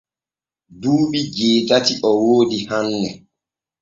Duuɓi jeetati o woodi hanne.